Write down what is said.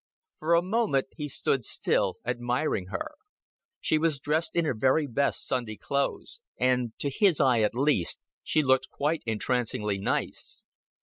For a moment he stood still, admiring her. She was dressed in her very best Sunday clothes, and, to his eye at least, she looked quite entrancingly nice.